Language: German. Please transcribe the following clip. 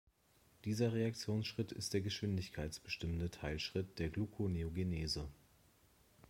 Dieser Reaktionsschritt ist der geschwindigkeitsbestimmende Teilschritt der Gluconeogenese.